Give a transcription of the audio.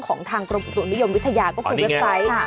ของทางกรมอุตุนิยมวิทยาก็คือเว็บไซต์